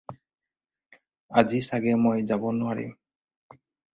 আজি চাগে মই যাব নোৱাৰিম।